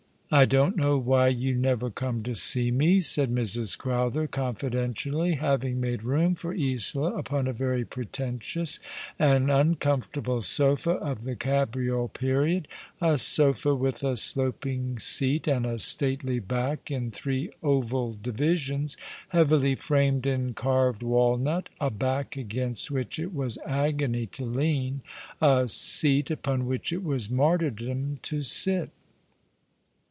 " I don't know why yon never come to see me," said Mrs. Crowther, confidentially, having made room for Isola. upon a very pretentious and uncomfortable sofa of the cabriole period, a sofa with a sloping seat and a stately back in three oval divisions, heavily framed in carved walnut, a back against which it was agony to lean, a seat upon which it was martyrdom to sit.